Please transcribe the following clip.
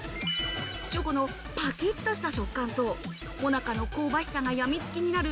チョコのパキっとした食感と、もなかの香ばしさがやみつきになる